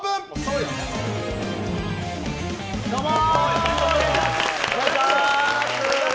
どうもー！